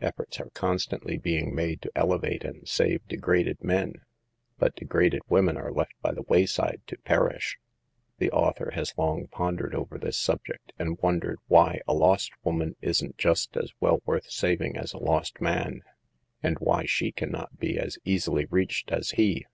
Efforts are constantly being made to elevate and save degraded men, but degraded women are left by the wayside to perish. The author has long pondered over this subject, and wondered why a lost woman isn't just as well worth saving as a lost man, and why she can not be as easily reached as he.